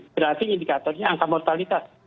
berarti indikatornya angka mortalitas